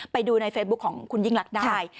ไปดูในเฟซบุ๊คของคุณยิ่งลักษณ์ได้